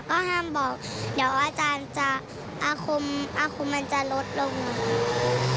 ก็ห้ามบอกเดี๋ยวอาจารย์จะอาคมอาคมมันจะลดลง